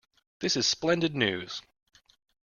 This is splendid news.